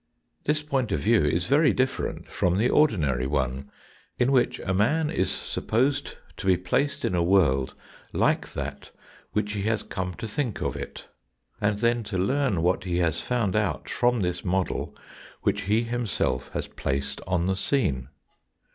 This point of view is very different from the ordinary one, in which a man is supposed to be placed in a world like that which he has come to think of it, and then to learn what he has found out from this model which he himself has placed on the scene.